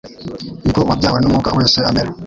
Ni ko uwabyawe n’Umwuka wese amera.”